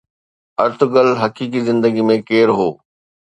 Ertugrul حقيقي زندگي ۾ ڪير هو؟